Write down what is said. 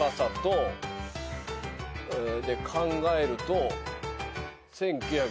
で考えると。